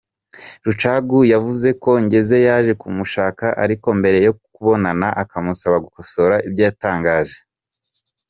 Rucagu yavuze ko Ngeze yaje kumushaka ariko mbere yo kubonana akamusaba gukosora ibyo yatangaje.